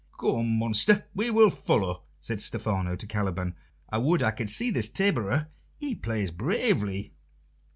"Go on, monster; we will follow," said Stephano to Caliban. "I would I could see this taborer; he plays bravely."